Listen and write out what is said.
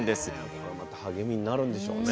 これまた励みになるんでしょうね。